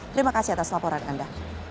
terima kasih atas laporan anda